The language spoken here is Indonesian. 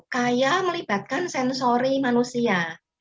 kayak melibatkan sensory manusia